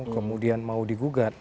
kemudian mau digugat